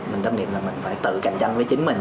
mình tâm niệm là mình phải tự cạnh tranh với chính mình